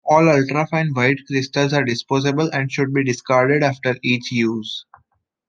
All ultra-fine white crystals are disposable and should be discarded after each use.